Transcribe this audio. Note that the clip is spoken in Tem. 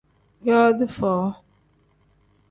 Yooti foo.